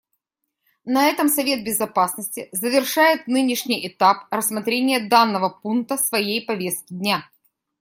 На этом Совет Безопасности завершает нынешний этап рассмотрения данного пункта своей повестки дня.